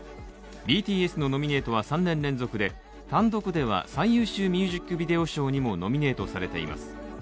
ＢＴＳのノミネートは３年連続で単独では最優秀ミュージック・ビデオ賞にもノミネートされています。